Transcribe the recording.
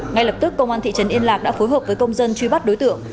ngay lập tức công an thị trấn yên lạc đã phối hợp với công dân truy bắt đối tượng